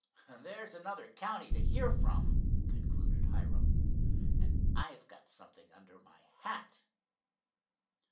There's another county to hear from!" concluded Hiram, "and I've got something under my hat."